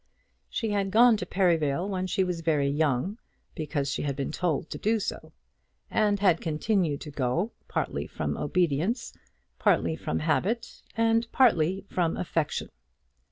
She had gone to Perivale when she was very young, because she had been told to do so, and had continued to go, partly from obedience, partly from habit, and partly from affection.